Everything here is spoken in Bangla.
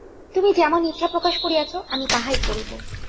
তুমি যেমন ইচ্ছা প্রকাশ করিয়াছ, আমি তাহাই করিব।